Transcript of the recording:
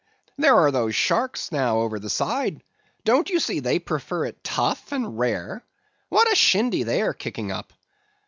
There are those sharks now over the side, don't you see they prefer it tough and rare? What a shindy they are kicking up!